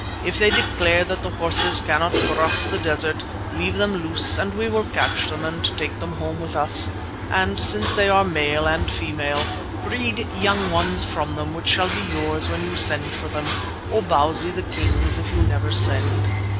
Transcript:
If they declare that the horses cannot cross the desert, leave them loose and we will catch them and take them home with us, and since they are male and female, breed young ones from them which shall be yours when you send for them, or Bausi the king's if you never send.